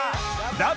『ラブ！！